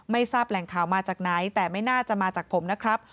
ทราบแหล่งข่าวมาจากไหนแต่ไม่น่าจะมาจากผมนะครับ